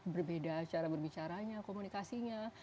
berbeda cara berbicaranya komunikasinya